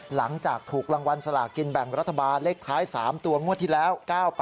หลังจากถูกรางวัลสลากินแบ่งรัฐบาลเลขท้าย๓ตัวงวดที่แล้ว๙๘